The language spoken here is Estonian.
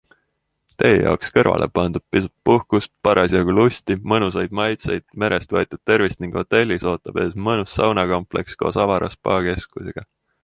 Teie jaoks kõrvale pandud pisut puhkust, parasjagu lusti, mõnusaid maitseid, merest võetud tervist ning hotellis ootab ees mõnus saunakompleks koos avara spaakeskusega!